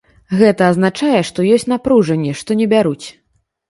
Гэта азначае, што ёсць напружанне, што не бяруць.